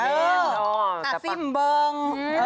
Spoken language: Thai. เออค่ะซิบเบิง